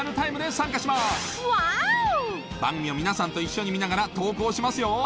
番組を皆さんと一緒に見ながら投稿しますよ